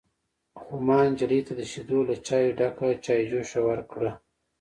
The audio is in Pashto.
_خو ما نجلۍ ته د شيدو له چايو ډکه چايجوشه ورکړه.